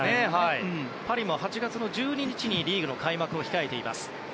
パリも８月１２日にリーグ開幕を控えています。